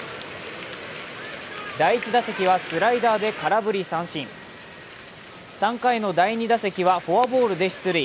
第１打席はスライダーで空振り三振３回の第２打席はフォアボールで出塁。